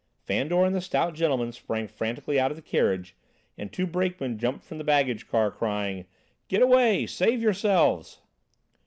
Fandor and the stout gentleman sprang frantically out of the carriage, and two brakemen jumped from the baggage car, crying: "Get away! Save yourselves!"